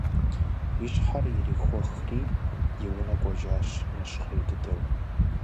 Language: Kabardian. И щхьэр ирихьэхри и унэ кӀуэжащ нэщхъей дыдэу.